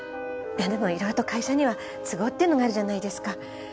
でもいろいろと会社には都合っていうのがあるじゃないですか。